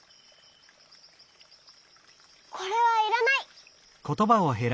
これはいらない。